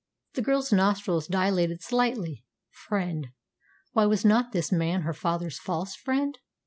The girl's nostrils dilated slightly. Friend! Why, was not this man her father's false friend?